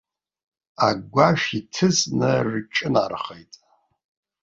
Агәашә иҭыҵны рҿынархеит.